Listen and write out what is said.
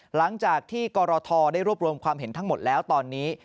หลังจากที่กรทได้รวบรวมความเห็นทั้งหมดแล้วตอนนี้